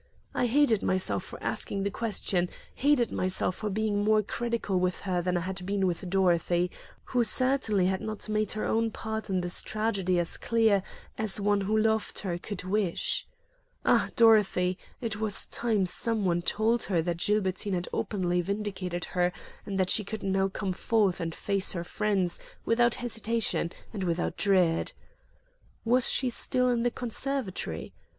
I hated myself for asking the question; hated myself for being more critical with her than I had been with Dorothy, who certainly had not made her own part in this tragedy as clear as one who loved her could wish. Ah, Dorothy! it was time some one told her that Gilbertine had openly vindicated her and that she could now come forth and face her friends without hesitation and without dread. Was she still in the conservatory?